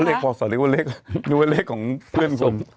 นุ้ยเวอร์เลขพศเรียกว่าเลขนุ้ยเวอร์เลขของเพื่อนคุณ